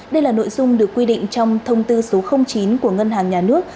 đây là nội dung được quy định trong thông tư số chín của ngân hàng nhà nước